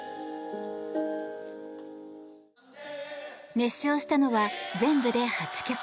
熱唱したのは全部で８曲。